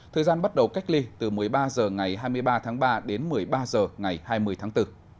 thời gian bắt đầu cách ly từ một mươi ba h ngày hai mươi ba tháng ba đến một mươi ba h ngày hai mươi tháng bốn